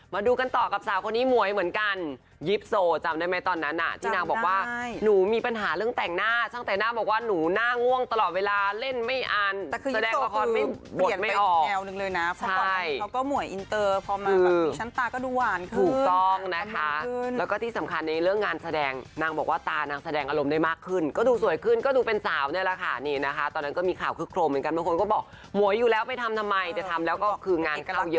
มาดูกันต่อกับสาวคนนี้หมวยเหมือนกันยิปโซจำได้ไหมตอนนั้นน่ะที่นางบอกว่าหนูมีปัญหาเรื่องแต่งหน้าตั้งแต่น่าบอกว่าหนูหน้าง่วงตลอดเวลาเล่นไม่อ่านแต่คือยิปโซคือเปลี่ยนไปอีกแนวนึงเลยนะเพราะก่อนนั้นเขาก็หมวยอินเตอร์พอมาแบบมีชั้นตาก็ดูหวานขึ้นถูกต้องนะคะแล้วก็ที่สำคัญในเรื่องงานแส